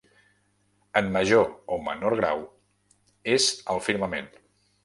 En major o menor grau, és al firmament.